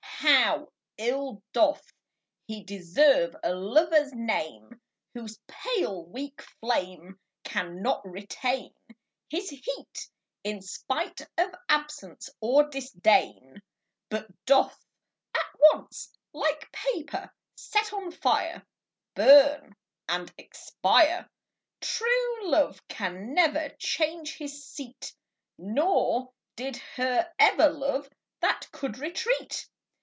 HOW ill doth lie deserve a Lover's name Whose pale weak flame Cannot retain His heat, in spite of absence or disdain ; But doth at once, like paper set on fire, Burn and expire ! True love can never change his seat ; Nor did he ever love that can retreat.